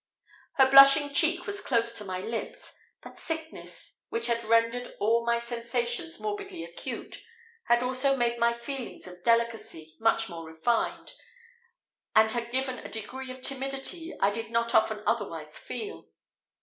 Her blushing cheek was close to my lips, but sickness, which had rendered all my sensations morbidly acute, had also made my feelings of delicacy much more refined, and had given a degree of timidity I did not often otherwise feel.